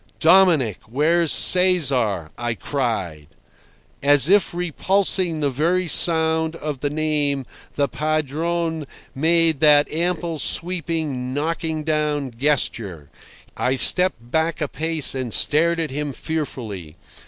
"Dominic, where's Cesar?" I cried. As if repulsing the very sound of the name, the Padrone made that ample, sweeping, knocking down gesture. I stepped back a pace and stared at him fearfully.